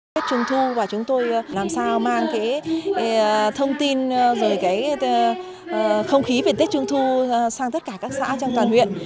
tết trung thu và chúng tôi làm sao mang thông tin về không khí về tết trung thu sang tất cả các xã trong toàn huyện